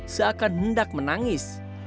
seakan mendak menangis